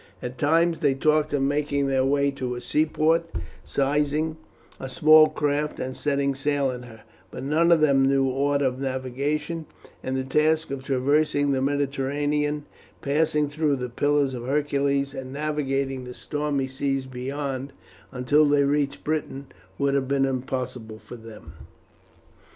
At times they talked of making their way to a seaport, seizing a small craft, and setting sail in her; but none of them knew aught of navigation, and the task of traversing the Mediterranean, passing through the Pillars of Hercules, and navigating the stormy seas beyond until they reached Britain, would have been impossible for them.